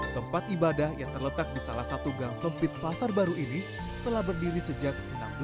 tempat ibadah yang terletak di salah satu gang sempit pasar baru ini telah berdiri sejak seribu enam ratus enam puluh